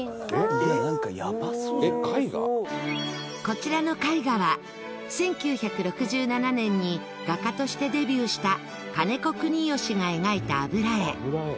こちらの絵画は１９６７年に画家としてデビューした金子國義が描いた油絵。